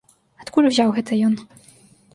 Адкуль узяў гэта ён?